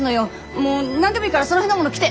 もう何でもいいからその辺のもの着て！